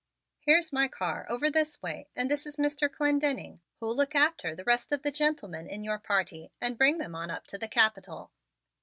"Here's my car over this way and this is Mr. Clendenning, who'll look after the rest of the gentlemen in your party and bring them on up to the Capitol."